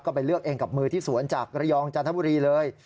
ก็ไปเลือกเองกับมือที่สวนจากระยองจันทบุรีเลย